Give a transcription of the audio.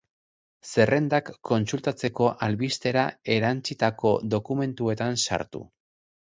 Zerrendak kontsultatzeko albistera erantsitako dokumentuetan sartu.